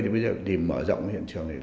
thì bây giờ tìm mở rộng hiện trường này